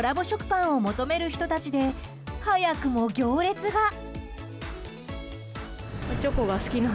食パンを求める人たちで早くも行列が。